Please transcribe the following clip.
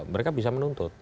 mereka bisa menuntut